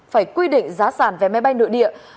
phải quy định giá sản vé máy bay nội địa